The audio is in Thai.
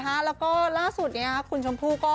ใครจะได้เป่า